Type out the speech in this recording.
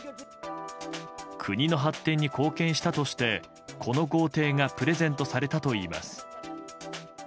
国の発展に貢献したとしてこの豪邸がプレゼントされたといいます。